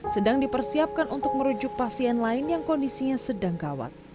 sedang dipersiapkan untuk merujuk pasien lain yang kondisinya sedang gawat